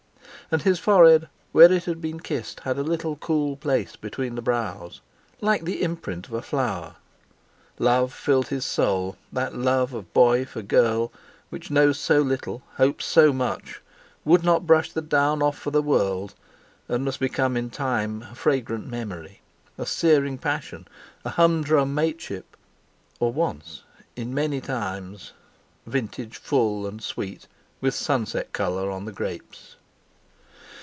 And his forehead where it had been kissed had a little cool place between the brows, like the imprint of a flower. Love filled his soul, that love of boy for girl which knows so little, hopes so much, would not brush the down off for the world, and must become in time a fragrant memory—a searing passion—a humdrum mateship—or, once in many times, vintage full and sweet with sunset colour on the grapes.